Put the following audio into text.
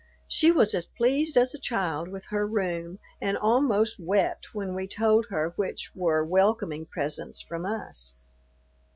She was as pleased as a child with her room, and almost wept when we told her which were "welcoming presents" from us.